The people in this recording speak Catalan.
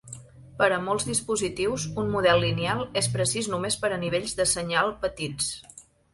Per a molts dispositius, un model lineal és precís només per a nivells de senyal petits.